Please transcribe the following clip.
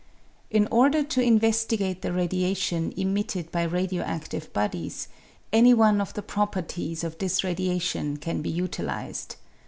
In order to investigate the radiation emitted by radio adlive bodies, any one of the properties of this radiation can be utilised.